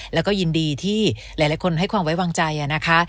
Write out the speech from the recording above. แล้วก็ยินดีที่หลายคนให้ความไว้วางใจนะคะ